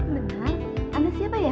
benar anda siapa ya